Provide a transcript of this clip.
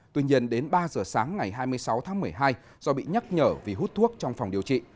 tuy nhiên đến ba giờ sáng ngày hai mươi sáu tháng một mươi hai do bị nhắc nhở vì hút thuốc trong phòng điều trị